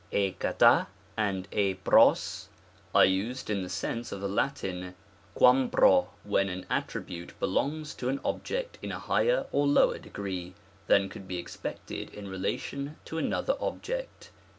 i] xara and r] ngo^ are used in the sense of the Latin ' q^iiam p'o^ when an attribute belongs to an ob ject in a higher or lower degree, than could be ex pected in relation to another object.